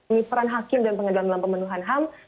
berperan hakim dan pengadilan dalam pemenuhan hak